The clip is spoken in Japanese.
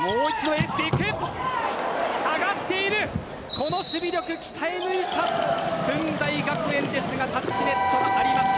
この守備力鍛え抜いた駿台学園ですがタッチネットがありました。